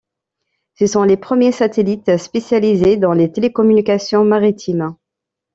Ce sont les premiers satellites spécialisés dans les télécommunications maritimes.